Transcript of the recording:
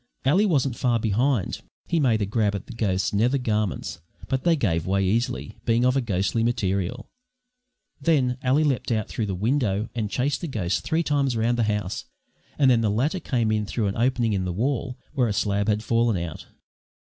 Ally wasn't far behind; he made a grab at the ghost's nether garments, but they gave way easily, being of a ghostly material. Then Ally leapt out through the window and chased the ghost three times round the house, and then the latter came in through an opening in the wall where a slab had fallen out.